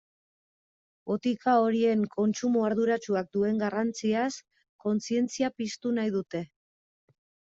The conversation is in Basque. Botika horien kontsumo arduratsuak duen garrantziaz kontzientzia piztu nahi dute.